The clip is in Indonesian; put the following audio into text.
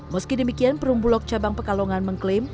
meski demikian perumbulok cabang pekalongan mengklaim